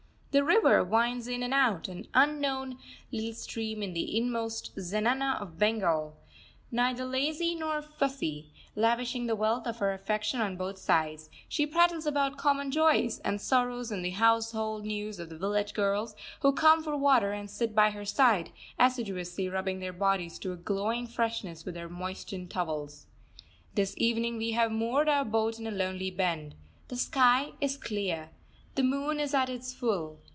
The river winds in and out, an unknown little stream in the inmost zenana of Bengal, neither lazy nor fussy; lavishing the wealth of her affection on both sides, she prattles about common joys and sorrows and the household news of the village girls, who come for water, and sit by her side, assiduously rubbing their bodies to a glowing freshness with their moistened towels. This evening we have moored our boat in a lonely bend. The sky is clear. The moon is at its full.